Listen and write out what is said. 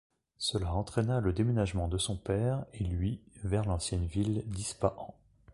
Cela entraîna le déménagement de son père et lui vers l'ancienne ville d'Ispahan.